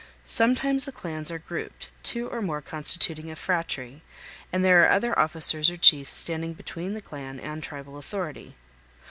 Sometimes the clans are grouped, two or more constituting a phratry, and then there are other officers or chiefs standing between the clan and tribal authority.